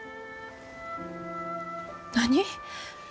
何？